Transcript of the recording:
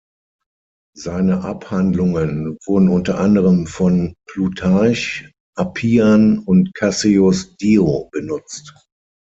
Seine Abhandlungen wurden unter anderem von Plutarch, Appian und Cassius Dio benutzt.